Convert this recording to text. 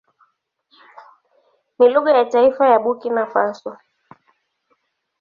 Ni lugha ya taifa ya Burkina Faso.